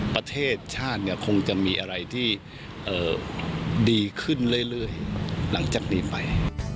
ประเทศชาติเนี่ยคงจะมีอะไรที่ดีขึ้นเรื่อยหลังจากนี้ไป